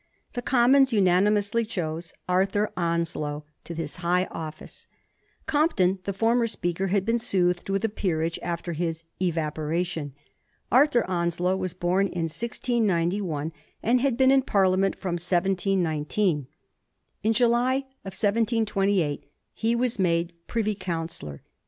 The Commons unanimously chose Arthur Onslow to this high office. Compton, the former Speaker, had been soothed with a peerage after his 'evaporation.^ Arthur Onslow was bom in 1691, and had been in Parliament from 1719 ; in July 1728 he was made Privy Councillor.